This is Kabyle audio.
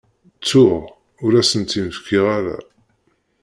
Ttuɣ, ur asent-tt-in-fkiɣ ara.